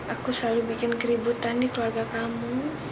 aku selalu bikin keributan di keluarga kamu